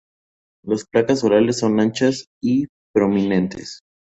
Las placas orales son anchas y prominentes.